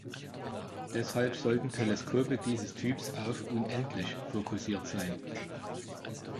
Deshalb sollten Teleskope dieses Typs auf „unendlich“ fokussiert sein.